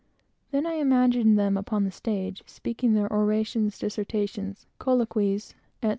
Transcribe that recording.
Then I imagined them upon the stage, speaking their orations, dissertations, colloquies, etc.